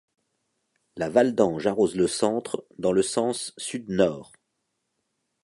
La Valdange arrose le centre dans le sens sud-nord.